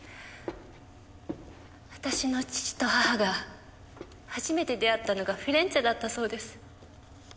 私の父と母が初めて出会ったのがフィレンチェだったそうです。